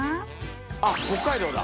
「あっ北海道だ」